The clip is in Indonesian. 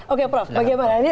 oke prof bagaimana